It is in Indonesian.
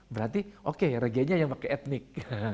berarti oke regenenya yang pakai etnik